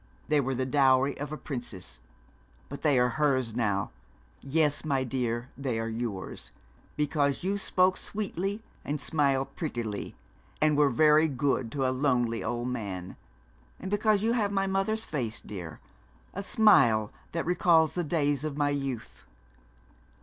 They were the dowry of a princess. But they are hers now yes, my dear, they are yours because you spoke sweetly, and smiled prettily, and were very good to a lonely old man and because you have my mother's face, dear, a smile that recalls the days of my youth.